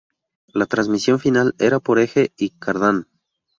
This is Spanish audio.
La transmisión final era por eje y cardán.